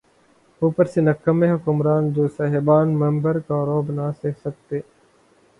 اوپر سے نکمّے حکمران‘ جو صاحبان منبر کا رعب نہ سہہ سکتے۔